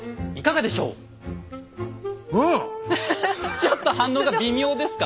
ちょっと反応が微妙ですか？